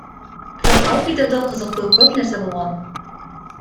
Бирок ал видеодо кызыктуу көп нерсе болгон.